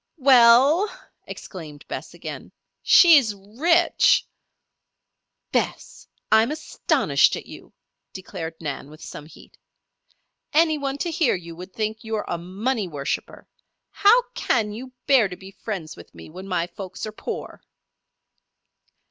"We ell!" exclaimed Bess, again. "She's rich." "Bess! I'm astonished at you," declared Nan, with some heat. "Any one to hear you would think you a money worshipper. How can you bear to be friends with me when my folks are poor."